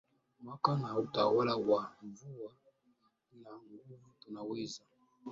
mwaka na utawala wa mvua na nguvu Tunaweza